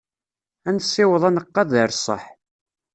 Ad nessiweḍ aneqqad ar ṣṣeḥ.